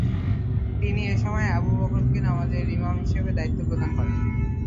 তিনি এসময় আবু বকরকে নামাজের ইমাম হিসেবে দায়িত্ব প্রদান করেন।